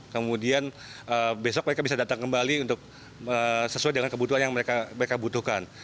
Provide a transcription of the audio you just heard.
kemudian besok mereka bisa datang kembali untuk sesuai dengan kebutuhan yang mereka butuhkan